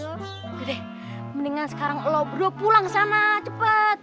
oke deh mendingan sekarang lo berdua pulang ke sana cepet